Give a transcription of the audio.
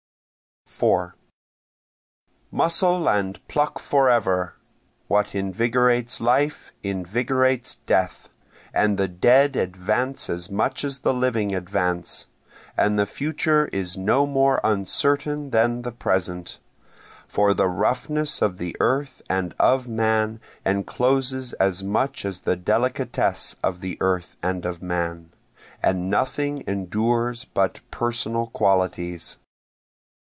4 Muscle and pluck forever! What invigorates life invigorates death, And the dead advance as much as the living advance, And the future is no more uncertain than the present, For the roughness of the earth and of man encloses as much as the delicatesse of the earth and of man, And nothing endures but personal qualities.